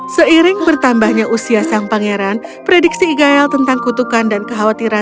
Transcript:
seiring bertambahnya usia sang pangeran prediksi igael tentang kutukan dan kekhawatiran